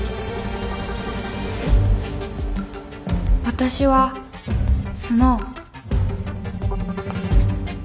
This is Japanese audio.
私はスノウ。